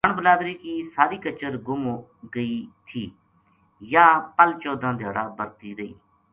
چوہان بلادری کی ساری کچر گُم گئی تھی یاہ پل چودہ دھیاڑا برہتی رہی